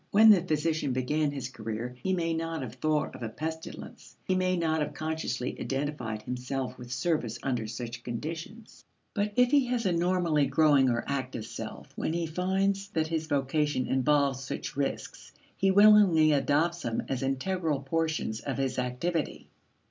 When the physician began his career he may not have thought of a pestilence; he may not have consciously identified himself with service under such conditions. But, if he has a normally growing or active self, when he finds that his vocation involves such risks, he willingly adopts them as integral portions of his activity.